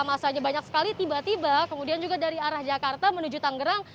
masanya banyak sekali tiba tiba kemudian juga dari arah jakarta menuju tanggerang